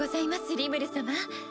リムル様。